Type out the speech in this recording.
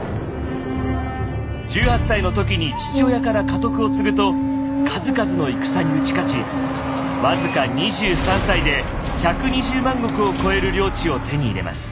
１８歳の時に父親から家督を継ぐと数々の戦に打ち勝ち僅か２３歳で１２０万石を超える領地を手に入れます。